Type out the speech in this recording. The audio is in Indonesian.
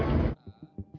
yang kebetulan belum tersalur